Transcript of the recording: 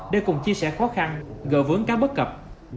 để cùng chia sẻ khó khăn gỡ vướng các bất cập